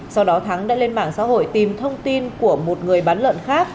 sau đó thắng đã lên mạng xã hội tìm thông tin của một người bán lợn khác